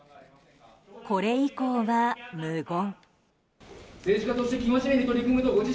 これ以降は無言。